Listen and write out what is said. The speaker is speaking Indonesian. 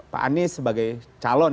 pak anies sebagai calon